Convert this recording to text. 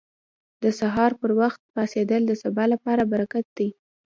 • د سهار پر وخت پاڅېدل د سبا لپاره برکت دی.